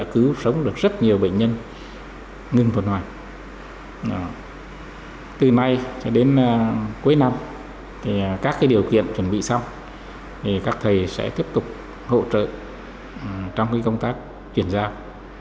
cuối năm các điều kiện chuẩn bị xong các thầy sẽ tiếp tục hỗ trợ trong công tác chuyển giao